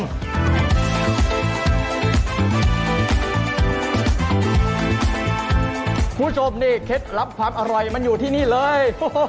คุณผู้ชมนี่เคล็ดลับความอร่อยมันอยู่ที่นี่เลย